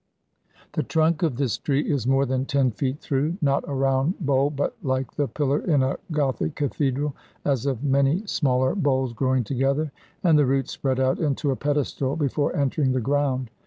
The trunk of this tree is more than ten feet through not a round bole, but like the pillar in a Gothic cathedral, as of many smaller boles growing together; and the roots spread out into a pedestal before entering the ground.